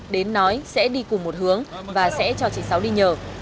đến nói sẽ đi cùng một hướng và sẽ cho chị sáu đi nhờ